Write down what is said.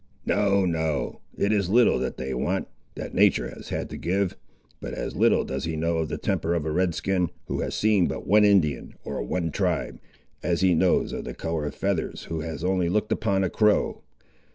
"No, no; it is little that they want, that natur' has had to give. But as little does he know of the temper of a Red skin, who has seen but one Indian, or one tribe, as he knows of the colour of feathers who has only looked upon a crow.